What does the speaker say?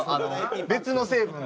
別の成分が。